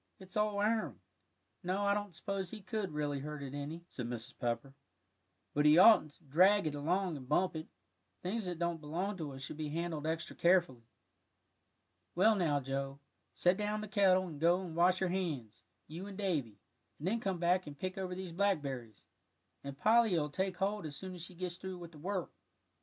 it's all iron." "No, I don't suppose he could really hurt it any," said Mrs. Pepper, "but he oughtn't to drag it along and bump it. Things that don't belong to us should be handled extra carefully. Well now, Joe, set down the kettle, and go and wash your hands, you and Davie, and then come back and pick over these blackberries, and Polly'll take hold as soon as she gets through with the work."